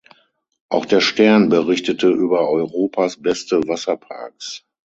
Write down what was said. Auch Der Stern berichtete über Europas beste Wasserparks.